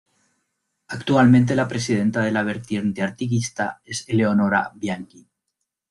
Actualmente la presidenta de la Vertiente Artiguista es Eleonora Bianchi.